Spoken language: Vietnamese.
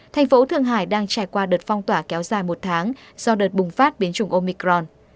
thành phố thượng hải đang trải qua đợt phong tỏa kéo dài một tháng do đợt bùng phát biến chủng omicron